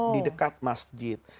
di dekat masjid